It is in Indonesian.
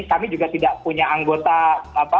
kami juga tidak punya anggota apa